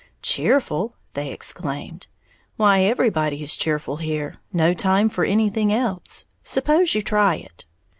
"Cheerful!" they exclaimed, "why, everybody is cheerful here, no time for anything else! Suppose you try it!"